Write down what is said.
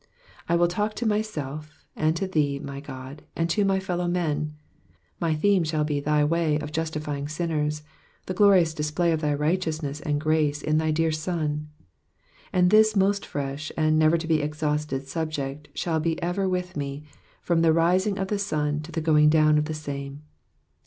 '*'* I wilt talk to myself, and to thee, my God, and to my fellow men ; my theme shall be thy way of justifying sinners, the glorious display of thy righteousness and grace in thy dear Son ; and this most fresh and never to be exhausted subject shall be ever with me, from the rising of the sun to the going down of the same.